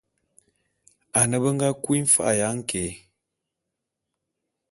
Ane be nga kui mfa'a ya nké.